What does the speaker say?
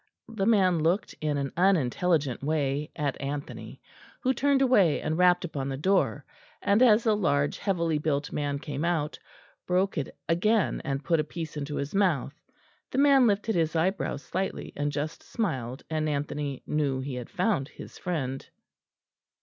The man looked in an unintelligent way at Anthony, who turned away and rapped upon the door, and as a large heavily built man came out, broke it again, and put a piece into his mouth. The man lifted his eyebrows slightly, and just smiled, and Anthony knew he had found his friend.